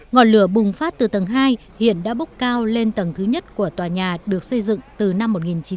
ngọn lửa bùng phát từ tầng hai hiện đã bốc cao lên tầng thứ nhất của tòa nhà được xây dựng từ năm một nghìn chín trăm bảy mươi